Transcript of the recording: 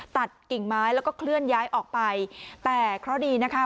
กิ่งไม้แล้วก็เคลื่อนย้ายออกไปแต่เคราะห์ดีนะคะ